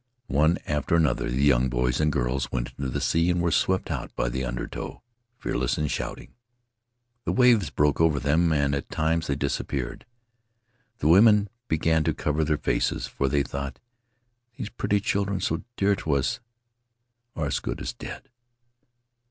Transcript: One after another the young boys and girls went into the sea and were swept out by the undertow — fearless and shouting. The waves broke over them and at times they disappeared; the women began to cover Tahitian Tales their faces, for they thought, 'Those pretty children, so dear to us, are as good as dead.'